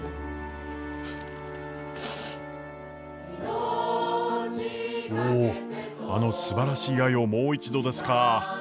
おお「あの素晴しい愛をもう一度」ですか。